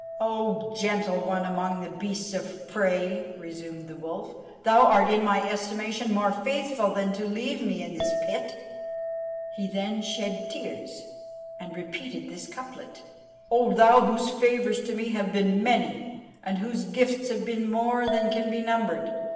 "O gentle one among the beasts of prey!" resumed the wolf, "thou art in my estimation more faithful than to leave me in this pit." He then shed tears, and repeated this couplet "O thou whose favours to me have been many, and whose gifts have been more than can be numbered!